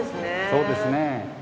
そうですね。